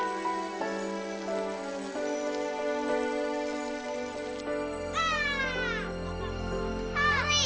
anak anak ini ada bau apa ya